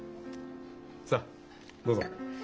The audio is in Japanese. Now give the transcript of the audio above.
さあどうぞ。